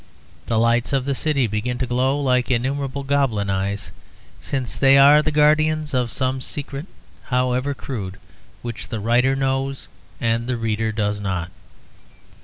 The lights of the city begin to glow like innumerable goblin eyes, since they are the guardians of some secret, however crude, which the writer knows and the reader does not.